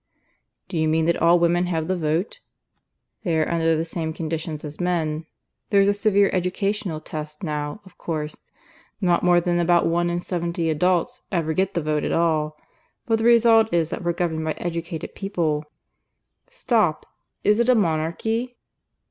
"Do you mean that all women have the vote?" "They are under the same conditions as men. There's a severe educational test now, of course. Not more than about one in seventy adults ever get the vote at all. But the result is that we're governed by educated persons." "Stop. Is it a Monarchy?"